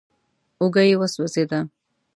اوږه يې وسوځېده.